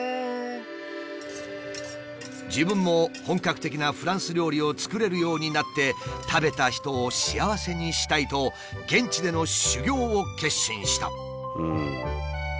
自分も本格的なフランス料理を作れるようになって食べた人を幸せにしたいと現地での修業を決心した。